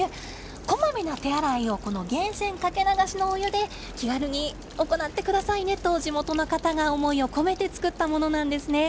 こまめな手洗いを源泉かけ流しのお湯で気軽に行ってくださいねと地元の方が思いを込めて作ったものなんですね。